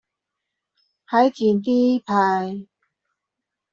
海景第一排